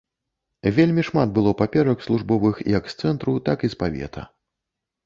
Вельмі шмат было паперак службовых як з цэнтру, так і з павета.